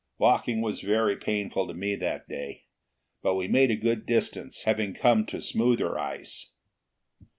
Walking was very painful to me that day, but we made a good distance, having come to smoother ice.